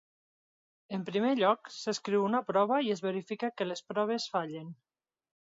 En primer lloc, s'escriu una prova i es verifica que les proves fallen.